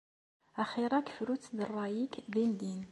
Axir-ak fru-tt d ṛṛay-ik dindin.